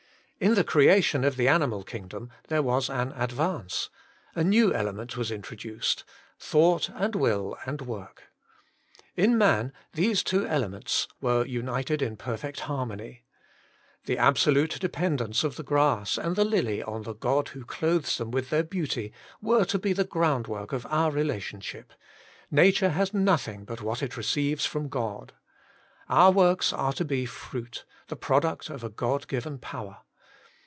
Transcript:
In the creation of the animal kingdom there was an advance. A new element was in troduced — thought and will and work. In man these two elements were united in per fect harmony. The absolute dependence of the grass and the lily on the God who clothes them with their beauty were to be the groundwork of our relationship — Na ture has nothing but what it receives from God. Our works are to be fruit, the prod uct of a God given power.